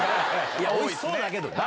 おいしそうだけどな。